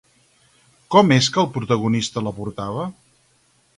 Com és que el protagonista la portava?